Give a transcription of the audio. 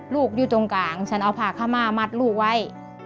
อยู่ตรงกลางฉันเอาผ้าขม่ามัดลูกไว้